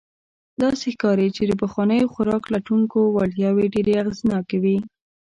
داسې ښکاري، چې د پخوانیو خوراک لټونکو وړتیاوې ډېر اغېزناکې وې.